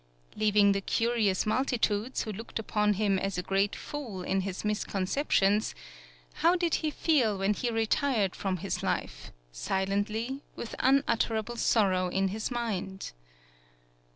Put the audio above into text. Leaving the curious multitudes, who looked upon him as a great fool in his misconceptions, how did he feel when he retired from this life, silently, with unutterable sorrow in his mind?